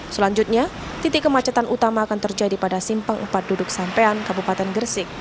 selanjutnya titik kemacetan utama akan terjadi pada simpang empat duduk sampean kabupaten gresik